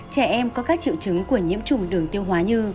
trẻ em có các triệu chứng của nhiễm trùng đường tiêu hóa như